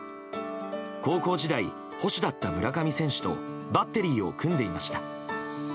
高校時代、捕手だった村上選手とバッテリーを組んでいました。